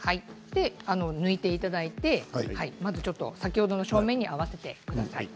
抜いていただいて先ほどの正面に合わせてください。